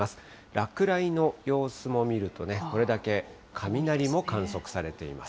落雷の様子も見るとね、これだけ雷も観測されています。